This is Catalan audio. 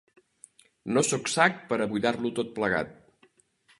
No sóc sac per a buidar-lo tot plegat.